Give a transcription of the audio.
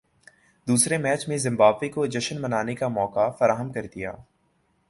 دوسرے میچ میں زمبابوے کو جشن منانے کا موقع فراہم کردیا